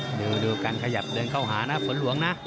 เดินดีลูกกันกระยับเดินเข้าหานะฝนหลวงนะ